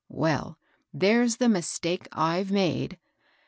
Well, there's the mistake I've made.